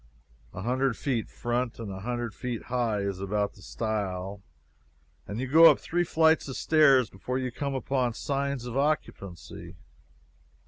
A hundred feet front and a hundred high is about the style, and you go up three flights of stairs before you begin to come upon signs of occupancy.